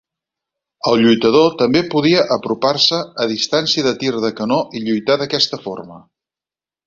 El lluitador també podia apropar-se a distància de tir de canó i lluitar d'aquesta forma.